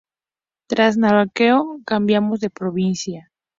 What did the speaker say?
Tras Navalcarnero, cambiamos de provincia.